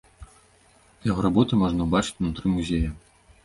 Яго работы можна ўбачыць унутры музея.